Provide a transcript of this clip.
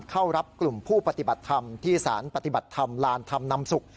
เข้ารับกลุ่มผู้ปฏิบัติธรรมที่สารปฏิบัติธรรมลานธรรมนำศุกร์